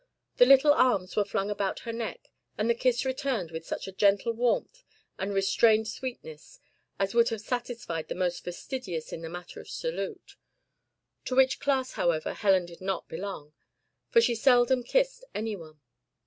The little arms were flung about her neck, and the kiss returned with such a gentle warmth and restrained sweetness as would have satisfied the most fastidious in the matter of salute to which class, however, Helen did not belong, for she seldom kissed anyone.